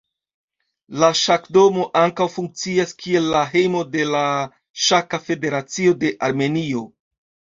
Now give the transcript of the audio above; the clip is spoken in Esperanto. La ŝakdomo ankaŭ funkcias kiel la hejmo de la Ŝaka Federacio de Armenio.